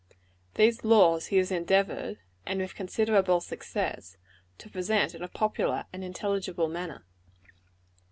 These laws he has endeavored and with considerable success to present in a popular and intelligible manner.